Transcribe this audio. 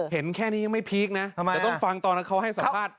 เห็นแค่นี้ยังไม่พีคนะแต่ต้องฟังตอนนั้นเขาให้สัมภาษณ์